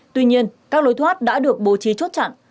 tuy nhiên các lối thoát đã được bố trí chốt chặn